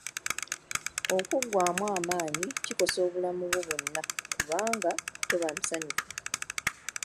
Okuggwamu amaanyi kikosa obulamu bwo bwonna kubanga toba musanyufu